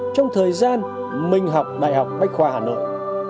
trong thời gian mình học đại học bách khoa hà nội